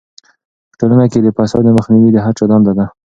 په ټولنه کې د فساد مخنیوی د هر چا دنده ده.